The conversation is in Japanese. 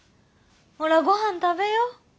ほらごはん食べよう。